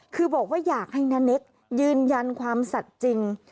คือบอกว่าอยากให้น้าเน็กยืนยันความสัตว์จริง